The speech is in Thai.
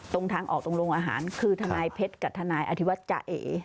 ตรงทางออกตรงโรงอาหารคือทนายเพชรกับทนายอธิวัตรจาเอ